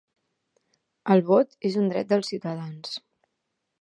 El vot és un dret dels ciutadans